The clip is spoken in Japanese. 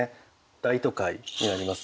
大都会になります。